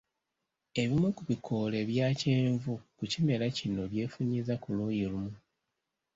Ebimu ku bikoola ebya kyenvu ku kimera kino byefunyizza ku luuyi lumu.